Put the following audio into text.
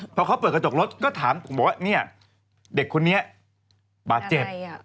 พอเขาเปิดกระจกรถก็ถามบอกว่าเนี่ยเด็กคนนี้บาดเจ็บ